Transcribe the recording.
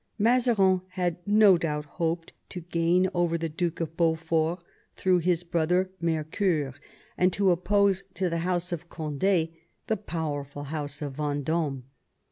Mazarin had no doubt hoped to gain over the Duke of Beaufort through his brother Mercoeur, and to oppose to the house of Cond^ the powerful house of Venddme.